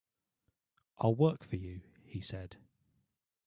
"I'll work for you," he said.